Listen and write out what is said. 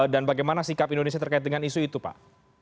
dan bagaimana sikap indonesia terkait dengan isu itu pak